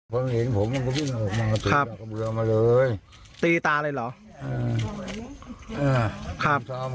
เพิ่งเห็นผมมันก็วิ่งครับมาเลยตีตาเลยเหรออ่าครับ